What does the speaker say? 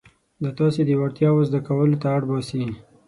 دا تاسې د وړتیاوو زده کولو ته اړ باسي.